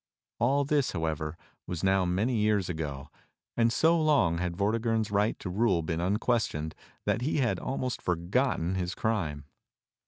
All this, however, was now many years ago; and so long had Vortigern's right to rule been unquestioned that he had almost for gotten his crime.